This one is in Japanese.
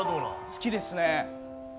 好きですね。